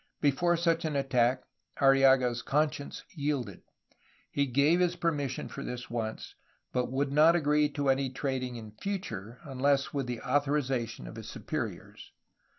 Before such an attack Arrillaga's "conscience^* yielded. He gave his permission for this once, but would not agree to any trading in future, un less with the authorization of his superiors.